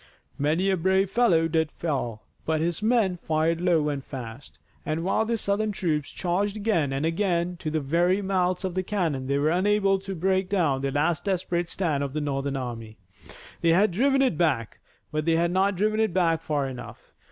Many a brave fellow did fall, but his men fired low and fast, and, while the Southern troops charged again and again to the very mouths of the cannon they were unable to break down the last desperate stand of the Northern army. They had driven it back, but they had not driven it back far enough.